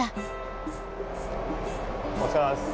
お疲れさまです。